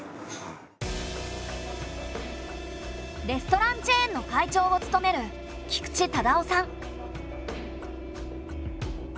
レストランチェーンの会長を務める菊地唯夫さん。